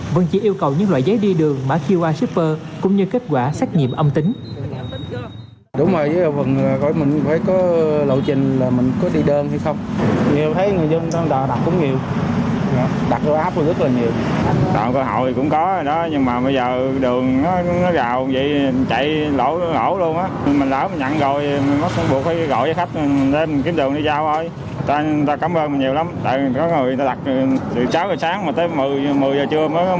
vẫn chỉ yêu cầu những loại giấy đi đường mà qr shipper cũng như kết quả xét nghiệm âm tính